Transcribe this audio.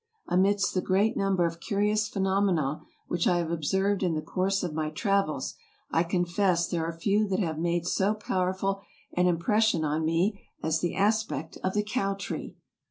Amidst the great number of curious phenomena which I have observed in the course of my travels, I confess there are few that have made so powerful an impression on me as the aspect of the cow tree.